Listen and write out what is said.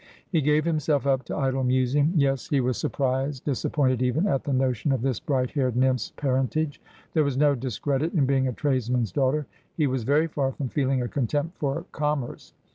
He gave himself up to idle musing. Yes ; he was surprised, disappointed even, at the notion of this bright haired nymph's parentage. There was no discredit in being a tradesman's daughter. He was very far from feeling a contempt for com merce.